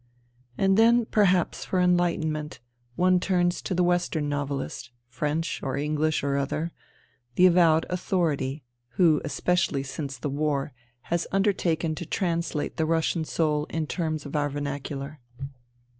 And then, perhaps, for enlightenment, one turns to the western novelist, French or English or other, the avowed " authority " who, especially since the war, has undertaken to translate the Russian soul in terms of our vernacular.